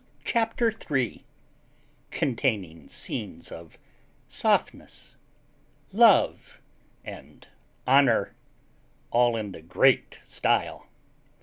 CHAPTER THREE CONTAINING SCENES OF SOFTNESS, LOVE, AND HONOUR ALL IN THE GREAT STILE.